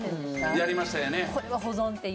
やりましたよね。